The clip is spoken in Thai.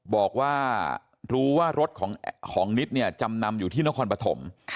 บอกว่ารู้ว่ารถของนิดเนี่ยจำนำอยู่ที่นครปฐม